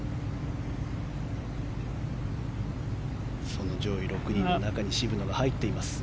その上位６人の中に渋野が入っています。